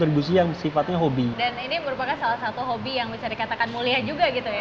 dan ini merupakan salah satu hobi yang bisa dikatakan mulia juga pak